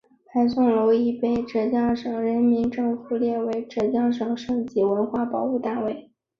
皕宋楼已被浙江省人民政府列为浙江省省级文物保护单位。